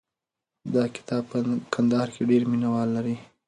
دا کتاب په کندهار کې ډېر مینه وال لري.